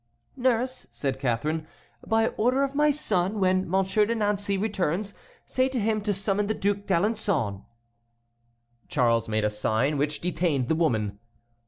"Nurse," said Catharine, "by order of my son, when Monsieur de Nancey returns say to him to summon the Duc d'Alençon." Charles made a sign which detained the woman.